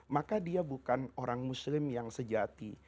maka dia bukan orang muslim yang sejati